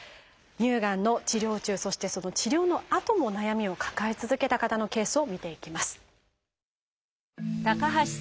乳がんの治療中そしてその治療のあとも悩みを抱え続けた方のケースを見ていきます。